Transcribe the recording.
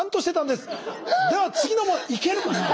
では次の問いけるかな？